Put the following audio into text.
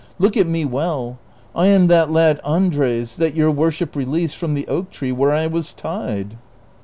Look at me well ; I am that lad Andres that your worship released from the oak tree where I was tied.''